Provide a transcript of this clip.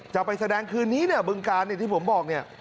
จะไปแสดงคืนนี้เนี่ยบึงการที่ผมบอกเนี่ย